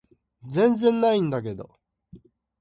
全然ないんだけど